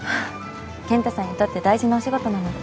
健太さんにとって大事なお仕事なので。